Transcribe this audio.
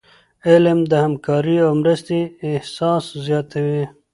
علم د همکاری او مرستي احساس زیاتوي.